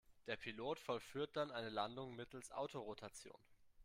Der Pilot vollführt dann eine Landung mittels Autorotation.